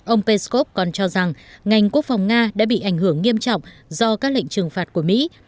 ông peskov còn cho rằng ngành quốc phòng nga đã bị ảnh hưởng nghiêm trọng do các lệnh trừng phạt của mỹ